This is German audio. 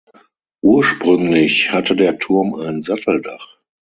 Ursprünglich hatte der Turm ein Satteldach.